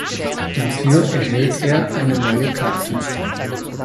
Dafür erhält er eine neue Karte.